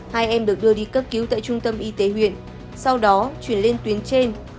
hai em được đưa đi cấp cứu tại trung tâm y tế huyện sau đó chuyển lên tuyến trên